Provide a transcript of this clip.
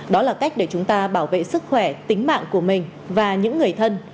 đó là cách để chúng ta bảo vệ sức khỏe tính mạng của mình và những người thân